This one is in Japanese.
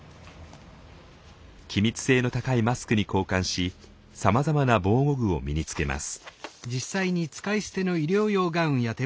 気密性の高いマスクに交換しさまざまな防護具を身につけます。